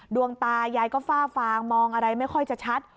ดวงตายายก็ฝ้าฟางมองอะไรไม่ค่อยจะชัด